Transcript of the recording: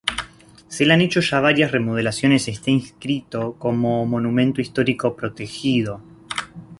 Se le han hecho ya varias remodelaciones y está inscrito como monumento histórico protegido.